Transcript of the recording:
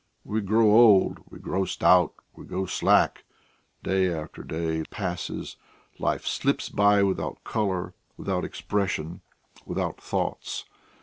We grow old, we grow stout, we grow slack. Day after day passes; life slips by without colour, without expressions, without thoughts....